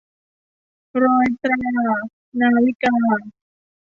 รอยตรา - นาวิกา